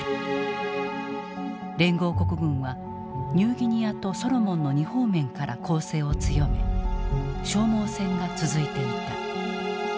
連合国軍はニューギニアとソロモンの二方面から攻勢を強め消耗戦が続いていた。